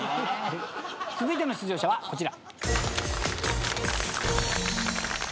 続いての出場者はこちら。